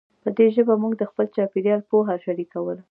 په دې ژبه موږ د خپل چاپېریال پوهه شریکوله.